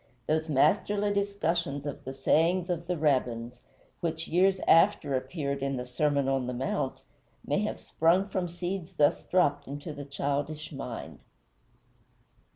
Those masterly discussions of the sayings of the Rabbins, which years after appeared in the Sermon on the Mount, may have sprung from seeds thus dropped into the childish mind.